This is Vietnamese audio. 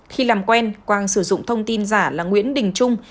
khi làm quen quang sử dụng thông tin giả là nguyễn đình trung